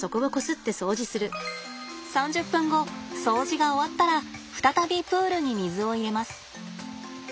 掃除が終わったら再びプールに水を入れます。